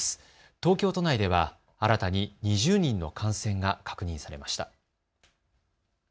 東京都内では新たに２０人の感染が確認されました。